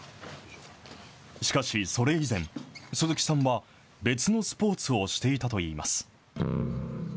しかしそれ以前、鈴木さんは、別のスポーツをしていたといいます。